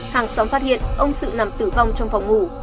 hàng xóm phát hiện ông sự nằm tử vong trong phòng ngủ